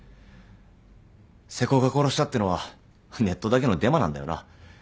「瀬古が殺した」ってのはネットだけのデマなんだよな？